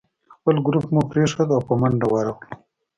خپل ګروپ مو پرېښود او په منډه ورغلو.